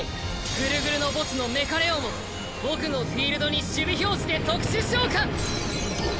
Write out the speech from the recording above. グルグルの墓地のメカレオンを僕のフィールドに守備表示で特殊召喚！